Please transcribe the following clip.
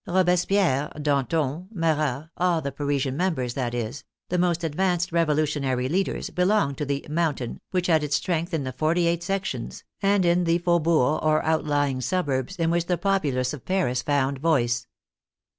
Robespierre, Danton, Marat, all the Parisian members, that is, the most advanced revolutionary leaders, belonged to the " Mountain," which had its strength in the forty eight " sections," and in the faubourgs, or outlying suburbs, in which the popu lace of Paris found voice.